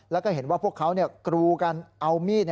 แล้วก็เห็นว่าพวกเขากรูกันเอามีด